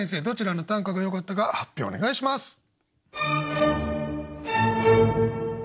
どちらの短歌がよかったか発表お願いします。